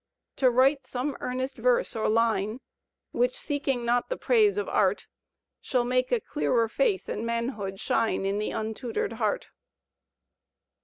To write some earnest verse or line» Which seeking not the praise of art» Shall make a clearer faith and manhood shine In the untutored heart.